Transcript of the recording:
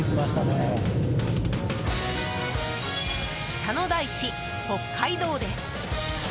北の大地、北海道です。